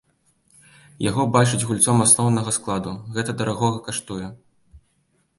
Яго бачаць гульцом асноўнага складу, гэта дарагога каштуе.